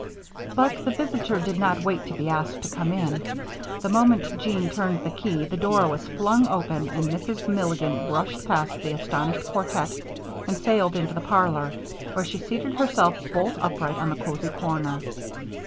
But the visitor did not wait to be asked to come in. The moment Jean turned the key the door was flung open and Mrs. Milligan brushed past the astonished quartet and sailed into the parlor, where she seated herself bolt upright on the cozy corner.